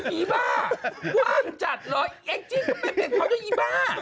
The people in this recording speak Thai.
อีบ้าว่างจัดเลยแองจี้ทำไมเปลี่ยนเขาด้วยอีบ้า